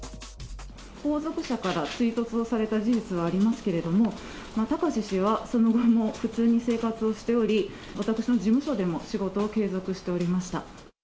後続車から追突をされた事実はありますけれども、貴志氏は、その後も普通に生活をしており、私の事務所でも仕事を継続しておりました。